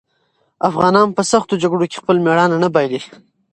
افغانان په سختو جګړو کې خپل مېړانه نه بايلي.